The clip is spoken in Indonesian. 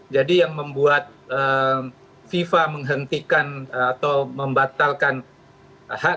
jadi yang membuat fifa menghentikan atau membatalkan hak